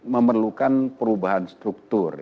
memerlukan perubahan struktur